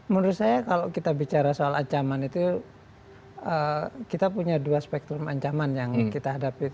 menurut saya kalau kita bicara soal ancaman itu kita punya dua spektrum ancaman yang kita hadapi